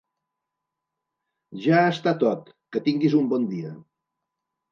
Ja està tot, que tinguis un bon dia.